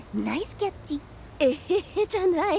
エヘヘじゃない。